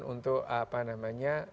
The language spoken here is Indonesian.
untuk apa namanya